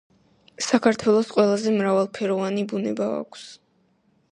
საქართველოს ყველაზე მრავალფეროვანი ბუნება აქვს